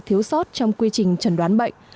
thiếu sót trong quy trình trần đoán bệnh